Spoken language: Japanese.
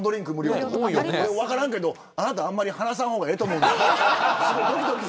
よく分からんけど、あなたあんまり話さん方がええと思う。